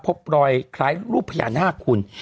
พบรอยคล้ายรูปพญานาคคุณ